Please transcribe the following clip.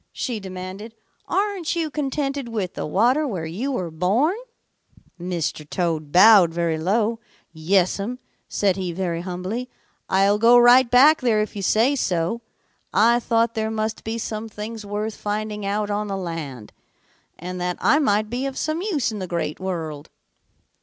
she demanded. 'Aren't you contented with the water where you were born?' "Mr. Toad bowed very low. 'Yes'm,' said he very humbly. 'I'll go right back there if you say so. I thought there must be some things worth finding out on the land, and that I might be of some use in the Great World.'